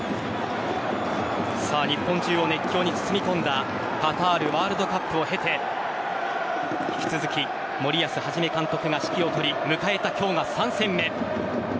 日本中を熱狂に包み込んだカタールワールドカップを経て引き続き森保一監督が指揮を執り迎えた今日が３戦目。